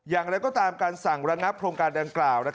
อย่างไรก็ตามการสั่งระงับโครงการดังกล่าว